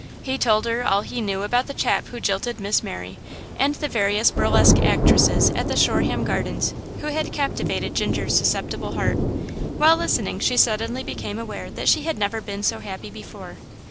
He told her all he knew about the chap who had jilted Miss Mary, and the various burlesque actresses at the Shoreham Gardens who had captivated Ginger's susceptible heart. While listening she suddenly became aware that she had never been so happy before.